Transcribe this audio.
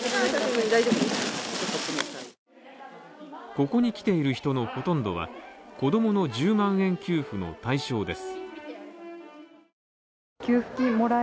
ここに来ている人のほとんどは、子供の１０万円給付の対象です。